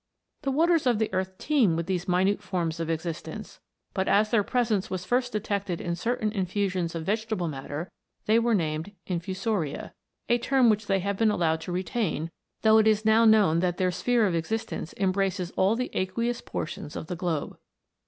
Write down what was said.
The waters of the earth teem with these minute forms of existence; but as their presence was first detected in certain infusions of vegetable matter, they were named Infusoria a term which they have been allowed to retain, though it is now known that their sphere of existence embraces all the aqueous portions of the globe.